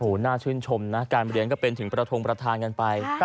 โอ้โหน่าชื่นชมนะการเรียนก็เป็นถึงประทงประธานกันไป